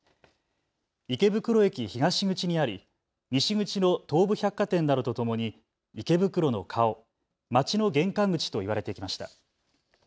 池袋駅東口にあり西口の東武百貨店などとともに池袋の顔、街の玄関口と言われてきました。